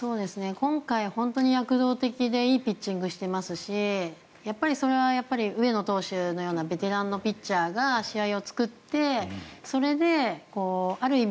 今回、本当に躍動的でいいピッチングしていますしそれはやっぱり上野投手のようなベテランのピッチャーが試合を作ってそれである意味